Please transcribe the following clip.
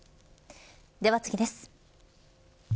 では次です。